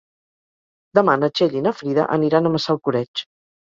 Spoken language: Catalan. Demà na Txell i na Frida aniran a Massalcoreig.